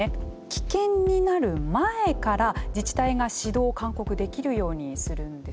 危険になる前から自治体が指導・勧告できるようにするんです。